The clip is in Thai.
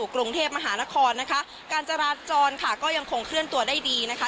กรุงเทพมหานครนะคะการจราจรค่ะก็ยังคงเคลื่อนตัวได้ดีนะคะ